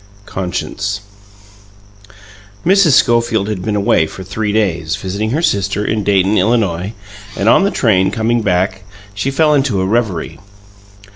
CONSCIENCE Mrs. Schofield had been away for three days, visiting her sister in Dayton, Illinois, and on the train, coming back, she fell into a reverie.